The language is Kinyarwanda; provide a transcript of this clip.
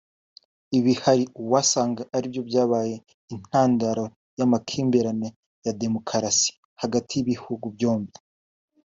Ibi ahari wasanga ari byo byabaye intandaro y’amakimbirane ya demukarasi hagati y’ibihugu byombi